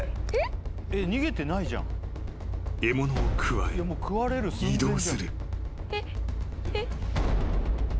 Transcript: ［獲物をくわえ移動する］